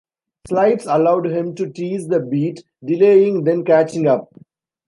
Slides allowed him to tease the beat, delaying then catching up.